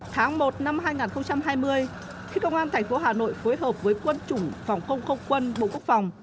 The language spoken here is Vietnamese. tháng một năm hai nghìn hai mươi khi công an thành phố hà nội phối hợp với quân chủng phòng không không quân bộ quốc phòng